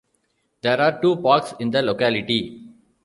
There are two parks in the locality.